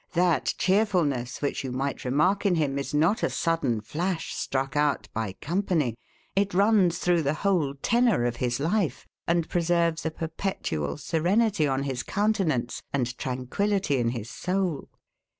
That cheerfulness, which you might remark in him, is not a sudden flash struck out by company: it runs through the whole tenor of his life, and preserves a perpetual serenity on his countenance, and tranquillity in his soul.